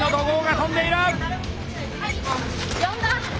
呼んだ？